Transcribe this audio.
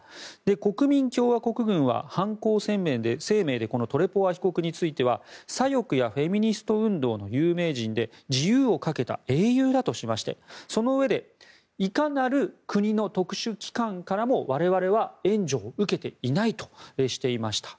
国民共和国軍は犯行声明でトレポワ被告については左翼やフェミニスト運動の有名人で自由をかけた英雄だとしましてそのうえでいかなる国の特殊機関からも我々は援助を受けていないとしていました。